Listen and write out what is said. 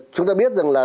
chúng ta biết rằng là